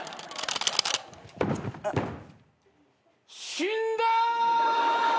死んだ！